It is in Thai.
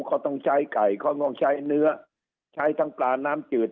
เขาต้องใช้ไก่เขาต้องใช้เนื้อใช้ทั้งปลาน้ำจืด